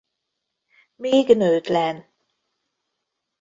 Még nőtlen.